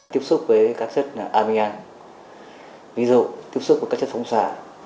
tiếp xúc với các chất aminan ví dụ tiếp xúc với các chất phóng xả